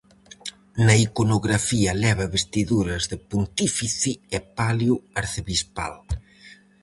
Na iconografía leva vestiduras de pontífice e palio arcebispal.